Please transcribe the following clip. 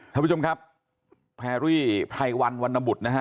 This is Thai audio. ท่านผู้ชมครับแพรรี่ไพรวันวันนบุตรนะฮะ